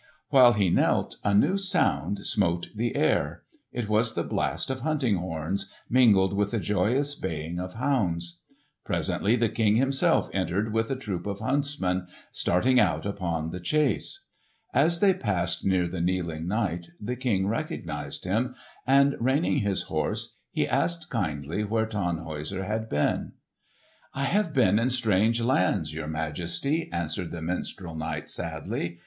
While he knelt a new sound smote the air. It was the blast of hunting horns mingled with the joyous baying of hounds. Presently the King himself entered with a troop of huntsmen starting out upon the chase. As they passed near the kneeling knight the King recognised him, and reining his horse he asked kindly where Tannhäuser had been. "I have been in strange lands, your Majesty," answered the minstrel knight sadly.